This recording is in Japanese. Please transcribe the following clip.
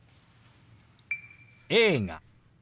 「映画」。